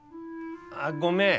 あっごめん。